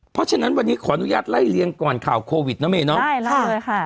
เพราะฉะนั้นวันนี้ขออนุญาตไล่เลี้ยงก่อนข่าวโควิดนะเมยเนาะใช่ไล่เลยค่ะ